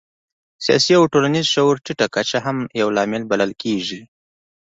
سیاسي او ټولنیز شعور ټیټه کچه هم یو لامل بلل کېږي.